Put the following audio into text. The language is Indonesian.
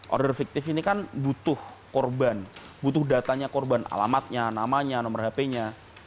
order fiktif ini kan butuh korban butuh datanya korban alamatnya namanya nomor hp nya